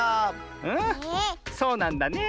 うんそうなんだねえ。